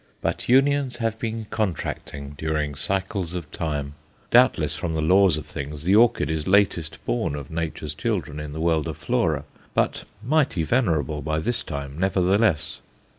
But unions have been contracting during cycles of time; doubtless, from the laws of things the orchid is latest born of Nature's children in the world of flora, but mighty venerable by this time, nevertheless.